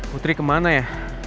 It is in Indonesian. putri kemana ya